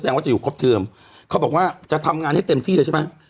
ว่าจะอยู่ครบเทอมเขาบอกว่าจะทำงานให้เต็มที่เลยใช่ไหม